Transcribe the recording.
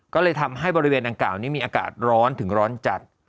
ก็เลยทำให้บริเวณดังกล่าวนี้มีอากาศร้อนถึงร้อนจัด